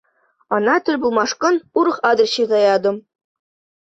Ӑна тӗл пулмашкӑн урӑх адрес ҫырса ятӑм.